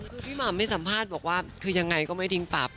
คือพี่มัมเป็นสัมภาษณ์บอกว่าคือยังไงก็ไม่ทิ้งป๋า